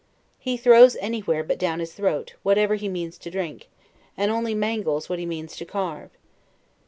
He throws anywhere, but down his throat, whatever he means to drink, and only mangles what he means to carve.